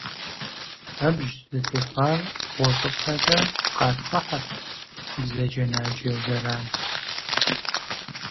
Фэбжь зытехуар гъущӏыпэкӏэ къатхъыхьырт, бзаджэнаджэ зэран.